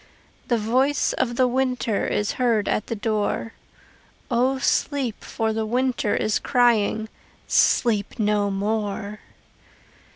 The voice of the winter Is heard at the door. O sleep, for the winter Is crying "Sleep no more."